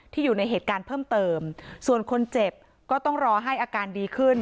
อยู่ในเหตุการณ์เพิ่มเติมส่วนคนเจ็บก็ต้องรอให้อาการดีขึ้น